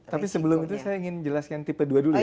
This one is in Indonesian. tapi sebelum itu saya ingin jelaskan tipe dua dulu ya